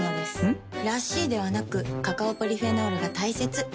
ん？らしいではなくカカオポリフェノールが大切なんです。